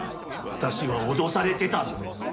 私は脅されてたんだ。